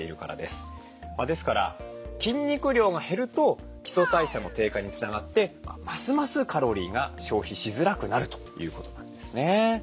ですから筋肉量が減ると基礎代謝の低下につながってますますカロリーが消費しづらくなるということなんですね。